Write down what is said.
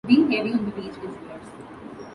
Being heavy on the beach is worse.